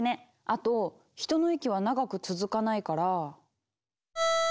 あと人の息は長く続かないから。